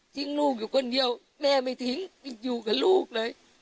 ลูกอยู่คนเดียวแม่ไม่ทิ้งอยู่กับลูกเลย